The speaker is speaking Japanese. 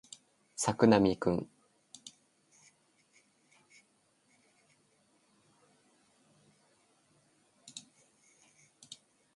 作並くん